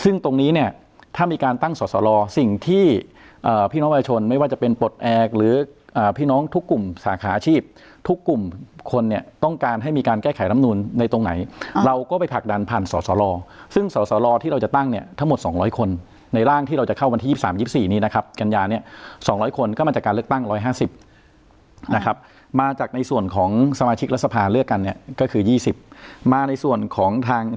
ซึ่งตรงนี้เนี่ยถ้ามีการตั้งสอสรอสิ่งที่พี่น้องบัญชนไม่ว่าจะเป็นปลดแอกหรือพี่น้องทุกกลุ่มสาขาอาชีพทุกกลุ่มคนเนี่ยต้องการให้มีการแก้ไขล้ลำนูนในตรงไหนเราก็ไปผลักดันผ่านสอสรอซึ่งสอสรอที่เราจะตั้งเนี่ยทั้งหมด๒๐๐คนในร่างที่เราจะเข้าบันที่๒๓๒๔นี้นะครับกันยานี้๒๐๐คนก็มาจากการเลือกตั้ง